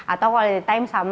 atau quality time sama